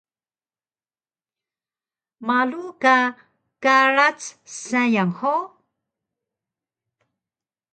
Malu ka karac sayang hug?